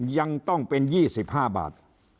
ยังต้องเป็น๒๕บาท